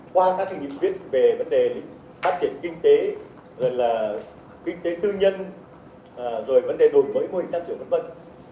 qua các nghị quyết về vấn đề phát triển kinh tế kinh tế tư nhân vấn đề đổi mới mô hình tăng trưởng v v